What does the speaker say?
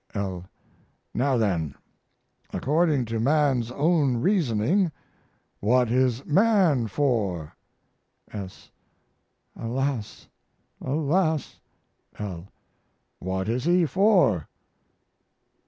L. Now then, according to man's own reasoning, what is man for? S. Alas alas! L. What is he for?